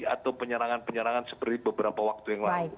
atau penyerangan penyerangan seperti beberapa waktu yang lalu